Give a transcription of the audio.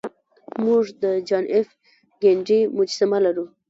موږ د جان ایف کینیډي مجسمه لرو